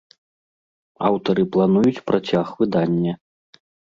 Аўтары плануюць працяг выдання.